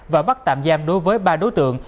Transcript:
và bắt tạm giam đối với ba đối tượng